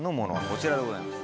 こちらでございます。